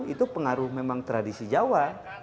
itu pengaruh memang tradisi jawa